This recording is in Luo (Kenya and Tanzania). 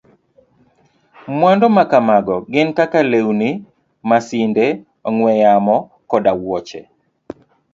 Mwandu makamago gin kaka lewni, masinde, ong'we yamo, koda wuoche.